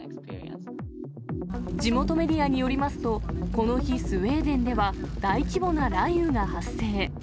地元メディアによりますと、この日、スウェーデンでは大規模な雷雨が発生。